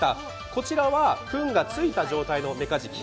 こちらはふんがついた状態のメカジキ